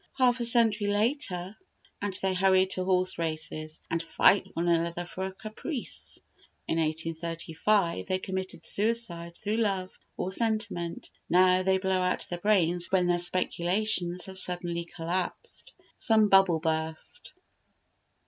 Half a century later and they hurry to horse races, and fight one another for a caprice. In 1835 they committed suicide through love or sentiment; now they blow out their brains when their speculations have suddenly collapsed, some bubble burst.